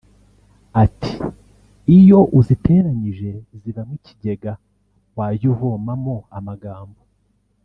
Ati “Iyo uziteranyije zivamo ikigega wajya uvomamo amagambo